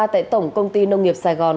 tại tổng công ty nông nghiệp sài gòn